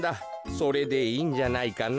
それでいいんじゃないかな？